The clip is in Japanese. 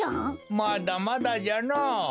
まだまだじゃのぉ。